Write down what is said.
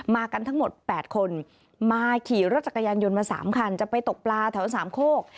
กันทั้งหมด๘คนมาขี่รถจักรยานยนต์มา๓คันจะไปตกปลาแถวสามโคก